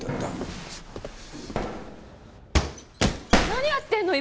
何やってんの？